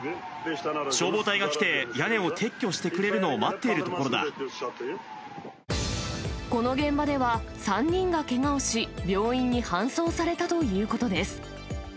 消防隊が来て、屋根を撤去してくこの現場では、３人がけがをし、病院に搬送されたということです。